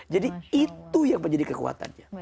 jadi itu yang menjadi kekuatannya